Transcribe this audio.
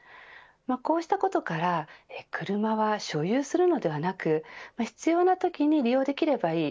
こうしたことから車は所有するのではなく必要なときに利用できればいい